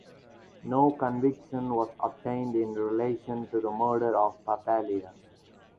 No conviction was obtained in relation to the murder of Papalia.